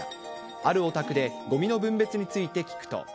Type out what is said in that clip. あるお宅でごみの分別について聞くと。